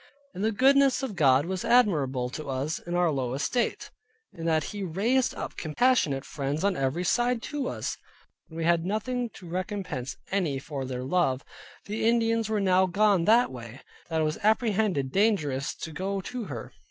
And the goodness of God was admirable to us in our low estate, in that He raised up passionate friends on every side to us, when we had nothing to recompense any for their love. The Indians were now gone that way, that it was apprehended dangerous to go to her.